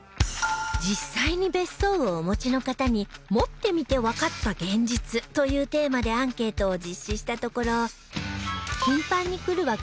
実際に別荘をお持ちの方に「持ってみてわかった現実」というテーマでアンケートを実施したところ